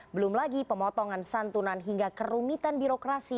belum lagi pemotongan santunan hingga kerumitan birokrasi